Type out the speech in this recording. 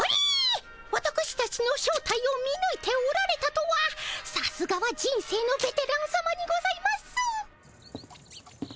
わたくしたちの正体を見ぬいておられたとはさすがは人生のベテランさまにございます。